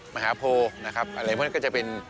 มหาโพอะไรพวกนี้ก็จะเป็น